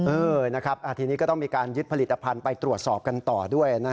เออนะครับทีนี้ก็ต้องมีการยึดผลิตภัณฑ์ไปตรวจสอบกันต่อด้วย